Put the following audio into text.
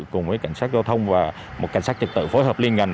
cùng với cảnh sát giao thông và một cảnh sát trật tự phối hợp liên ngành